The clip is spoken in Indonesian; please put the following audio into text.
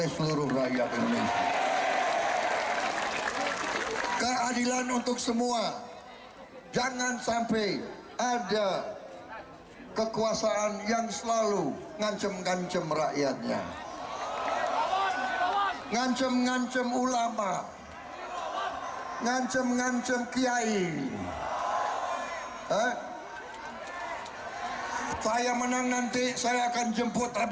saya menang nanti saya akan jemput habib resik sendiri